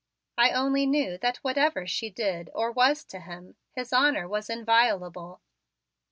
I only knew that whatever she did or was to him, his honor was inviolable.